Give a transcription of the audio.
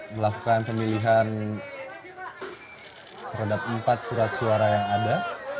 melakukan pemilihan terhadap empat surat suara yang ada